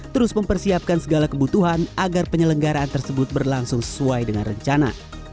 terus mempersiapkan segala kebutuhan agar penyelenggaraan tersebut berlangsung sesuai dengan rencana